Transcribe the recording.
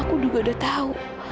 aku juga udah tahu